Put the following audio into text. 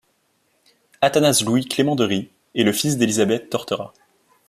Athanase-Louis Clément de Ris est le fils d'Élisabeth Torterat.